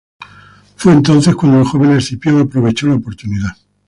Fue entonces cuando el joven Escipión aprovechó la oportunidad.